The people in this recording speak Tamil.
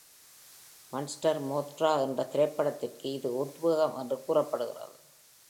மான்ஸ்டர் மோத்ரா என்ற திரைப்படதிற்கு இது உத்வேகம் என்று கூறப்படுகிறது.